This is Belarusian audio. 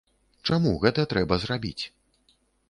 Чаму гэта трэба зрабіць?